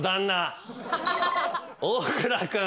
大倉君。